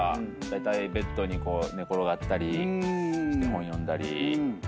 だいたいベッドに寝転がったりして本読んだり。